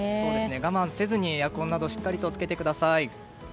我慢せずにエアコンなどをしっかりつけてください。